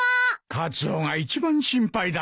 カツオが一番心配だな。